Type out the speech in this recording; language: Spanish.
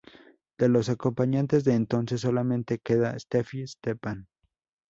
De los acompañantes de entonces solamente queda Steffi Stephan.